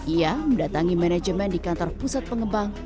ia mendatangi manajemen di kantor pusat pengembang